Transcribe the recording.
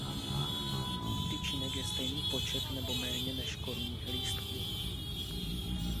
Tyčinek je stejný počet nebo méně než korunních lístků.